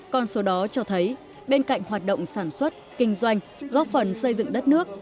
con số đó cho thấy bên cạnh hoạt động sản xuất kinh doanh góp phần xây dựng đất nước